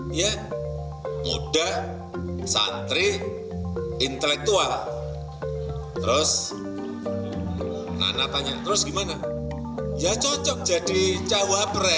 dia muda santri intelektual